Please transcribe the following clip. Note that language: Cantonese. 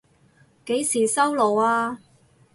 幾時收爐啊？